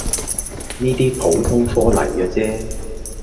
呢啲普通料黎既啫